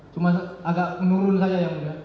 cuma agak menurun saja ya boleh